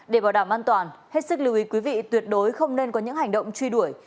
để bảo đảm an toàn hết sức lưu ý quý vị tuyệt đối không nên có những hành động truy đuổi